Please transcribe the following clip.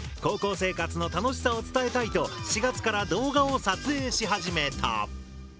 高校生活の楽しさを伝えたいと４月から動画を撮影し始めた。